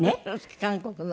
韓国の。